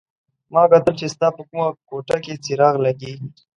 ما کتل چې ستا په کومه کوټه کې څراغ لګېږي.